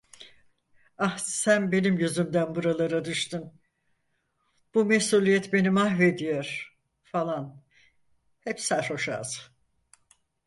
Ah, sen benim yüzümden buralara düştün. Bu mesuliyet beni mahvediyor! falan, hep sarhoş ağzı.